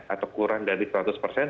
atau kurang dari seratus persen